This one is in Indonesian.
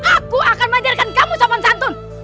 aku akan mandirkan kamu sopan santun